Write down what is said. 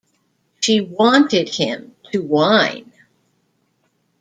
She wanted him to whine.